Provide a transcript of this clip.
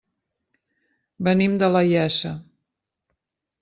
Venim de la Iessa.